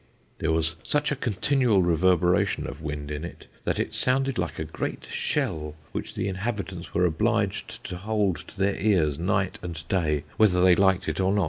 There was such a continual reverberation of wind in it, that it sounded like a great shell, which the inhabitants were obliged to hold to their ears night and day, whether they liked it or no.